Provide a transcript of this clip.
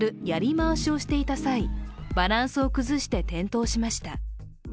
まわしをしていた際、バランスを崩して転倒しました。